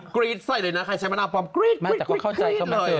กรี๊ดใส่เลยนะใครใช้มะนาวคอมกรี๊๊ดเลย